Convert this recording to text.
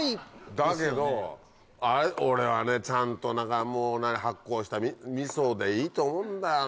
だけど俺はねちゃんと発酵した味噌でいいと思うんだよな。